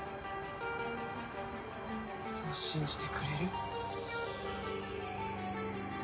そう信じてくれる？